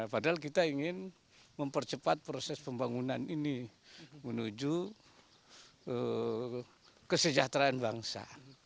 padahal kita ingin mempercepat proses pembangunan ini menuju kesejahteraan bangsa